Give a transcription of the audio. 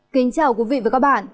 kính chào quý vị và các bạn